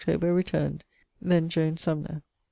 ... returned. Then Joan Sumner.